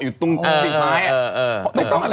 คุณนึกออกนึกออกใช่ไหม